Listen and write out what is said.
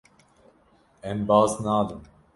Em baz nadin.